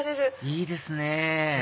いいですね